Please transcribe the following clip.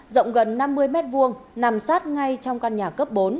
rộng gần năm mươi mét vuông nằm sát ngay trong căn nhà cấp bốn